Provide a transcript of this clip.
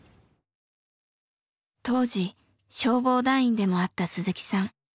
当時消防団員でもあった鈴木さん。